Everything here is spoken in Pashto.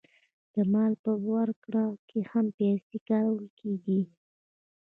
د مال په ورکړه کې هم پیسې کارول کېږي